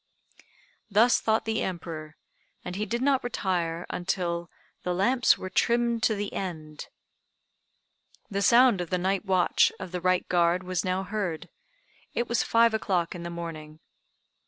Thus thought the Emperor, and he did not retire until "the lamps were trimmed to the end!" The sound of the night watch of the right guard was now heard. It was five o'clock in the morning.